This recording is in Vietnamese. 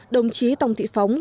đồng chí tòng thị phóng